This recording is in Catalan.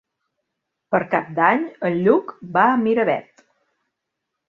Per Cap d'Any en Lluc va a Miravet.